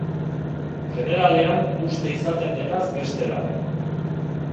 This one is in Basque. Jeneralean uste izaten denaz bestera.